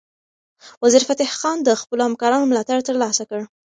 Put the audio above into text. وزیرفتح خان د خپلو همکارانو ملاتړ ترلاسه کړ.